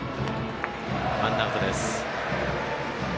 ワンアウトです。